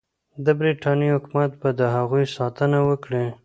د برټانیې حکومت به د هغوی ساتنه وکړي.